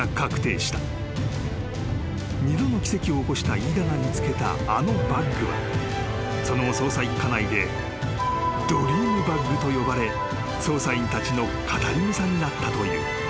［二度の奇跡を起こした飯田が見つけたあのバッグはその後捜査１課内でドリームバッグと呼ばれ捜査員たちの語り草になったという］